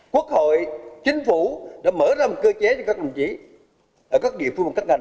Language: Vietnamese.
quốc hội chính phủ đã mở ra một cơ chế cho các đồng chí ở các địa phương và các ngành